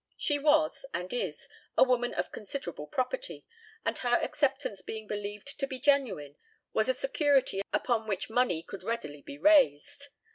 She was, and is, a woman of considerable property, and her acceptance being believed to be genuine, was a security upon which money could readily be raised.